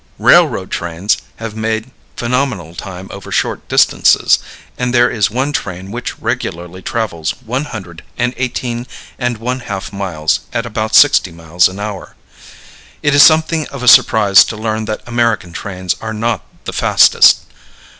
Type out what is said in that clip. Railroad trains have made phenomenal time over short distances, and there is one train which regularly travels one hundred and eighteen and one half miles at about sixty miles an hour. It is something of a surprise to learn that American trains are not the fastest.